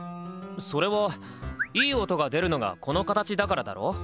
それはいい音が出るのがこの形だからだろ？